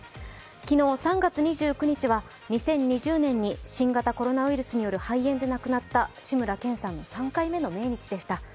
昨日、３月２９日は２０２０年に新型コロナウイルスによる肺炎で亡くなった志村けんさんの３回目の命日でした。